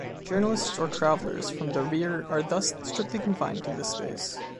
Journalists or travelers from the rear are thus strictly confined to this space.